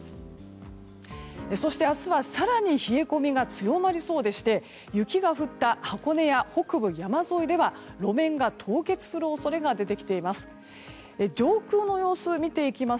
そして、明日は更に冷え込みが強まりそうでして雪が降った箱根や北部山沿いでは路面が凍結する恐れが出てきています。